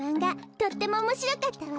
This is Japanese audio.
とってもおもしろかったわ。